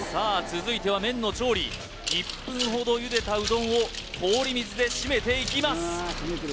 続いては麺の調理１分ほど茹でたうどんを氷水で締めていきます